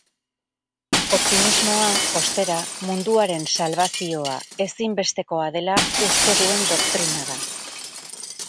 Optimismoa, ostera, munduaren salbazioa ezinbestekoa dela uste duen doktrina da.